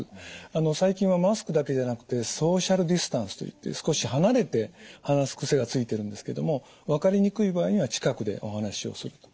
あの最近はマスクだけじゃなくてソーシャルディスタンスといって少し離れて話す癖がついてるんですけども分かりにくい場合には近くでお話をすると。